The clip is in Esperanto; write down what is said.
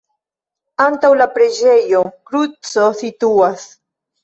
Antaŭ la preĝejo kruco situas.